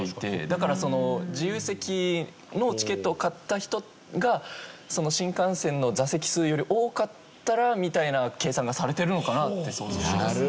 だから自由席のチケットを買った人が新幹線の座席数より多かったらみたいな計算がされてるのかなって想像します。